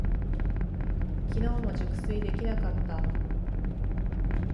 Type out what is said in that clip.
きのうも熟睡できなかった。